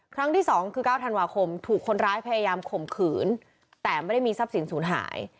ครั้งที่๒คือ๙ธันวาคมถูกคนร้ายพยายามข่มขืนแต่ไม่ได้มีทรัพย์สินศูนย์หาย